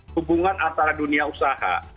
hubungan antara dunia usaha